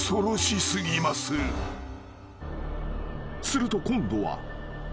［すると今度は］